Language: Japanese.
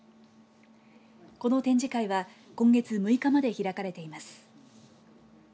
この展示会は今月６日まで開かれています。